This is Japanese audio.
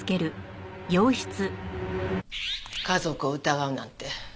家族を疑うなんて。